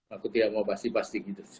aku tidak mau pasti pasti gitu